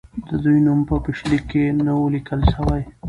د دوی نوم په پیشلیک کې نه وو لیکل سوی.